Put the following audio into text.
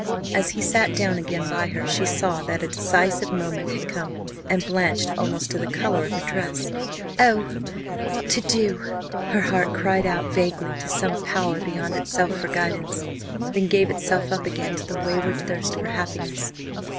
As he sat down again by her, she saw that a decisive moment had come, and blanched almost to the colour of her dress. Oh! what to do! Her heart cried out vaguely to some power beyond itself for guidance, then gave itself up again to the wayward thirst for happiness.